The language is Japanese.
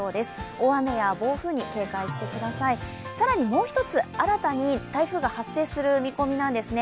大雨や暴風雨に警戒してください、更にもう一つ新たに台風が発生する見込みなんですね。